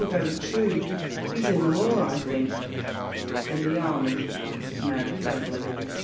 very true. He's in the law, I think?" "In the army," answered Mary, faintly.